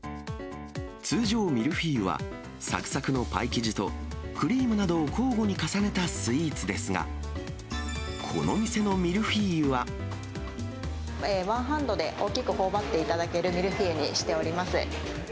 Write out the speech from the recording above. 通常、ミルフィーユは、さくさくのパイ生地と、クリームなどを交互に重ねたスイーツですが、ワンハンドで大きくほおばっていただけるミルフィーユにしております。